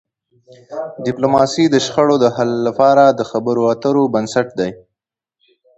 ډيپلوماسي د شخړو د حل لپاره د خبرو اترو بنسټ دی.